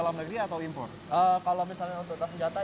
banyak yang impor kalau misalnya untuk tas senjata